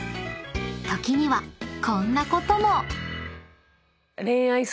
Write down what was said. ［時にはこんなことも］